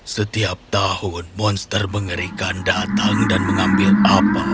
setiap tahun monster mengerikan datang dan mengambil apa